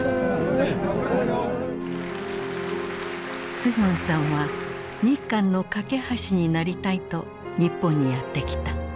スヒョンさんは日韓の懸け橋になりたいと日本にやって来た。